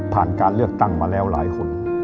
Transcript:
การเลือกตั้งมาแล้วหลายคน